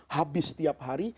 habis setiap hari